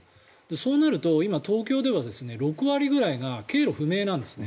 そうなると、今東京では６割くらいが経路不明なんですね。